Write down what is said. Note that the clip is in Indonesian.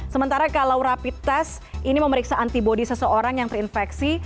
sementara kalau rapid test ini memeriksa antibody seseorang yang terinfeksi